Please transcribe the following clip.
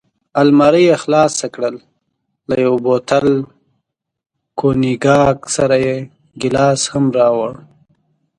المارۍ یې خلاصه کړل، له یو بوتل کونیګاک سره یې ګیلاس هم راوړ.